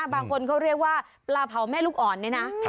บางคนเขาเรียกว่าปลาเผาแม่ลูกอ่อนเนี่ยนะ